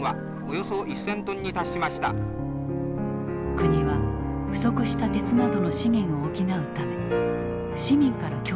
国は不足した鉄などの資源を補うため市民から供出させた。